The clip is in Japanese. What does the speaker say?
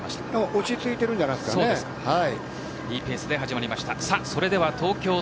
落ち着いているんじゃいいペースで始まりました。